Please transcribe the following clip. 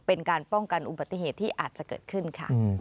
เป็นการป้องกันอุบัติเหตุที่อาจจะเกิดขึ้นค่ะ